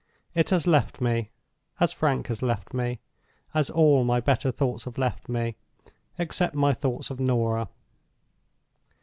It has left me, as Frank has left me, as all my better thoughts have left me except my thoughts of Norah.